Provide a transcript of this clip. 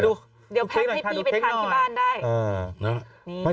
โอเคหน่อยครับถ้าดูเทคโน่อ่ะ